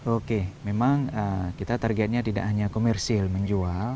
oke memang kita targetnya tidak hanya komersil menjual